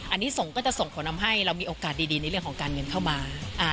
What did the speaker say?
อันนี้ส่งก็จะส่งผลทำให้เรามีโอกาสดีในเรื่องของการเงินเข้ามา